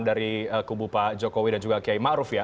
dari kubu pak jokowi dan juga kiai ma'ruf ya